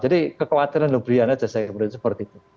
jadi kekhawatiran lebih banyak saja